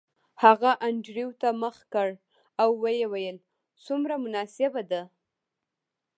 هغه انډریو ته مخ کړ او ویې ویل څومره مناسبه ده